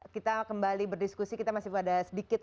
kita kembali berdiskusi kita masih pada sedikit